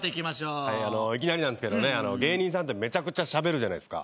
いきなりなんですけど芸人さんはめちゃくちゃしゃべるじゃないですか。